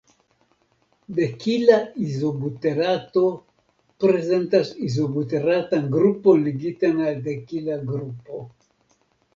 Dekila izobuterato prezentas izobuteratan grupon ligitan al dekila grupo.